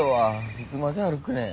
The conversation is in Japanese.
いつまで歩くねん。